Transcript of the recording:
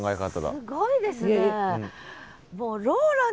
すごいですね。